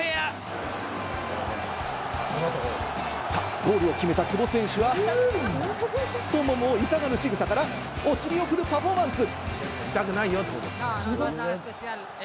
ゴールを決めた久保選手は太ももを痛がるしぐさから、お尻を振るパフォーマンス。